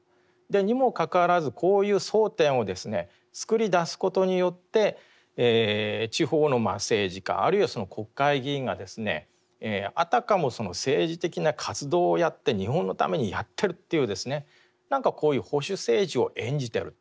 にもかかわらずこういう争点をですね作りだすことによって地方の政治家あるいは国会議員があたかもその政治的な活動をやって日本のためにやってるっていう何かこういう保守政治を演じてると。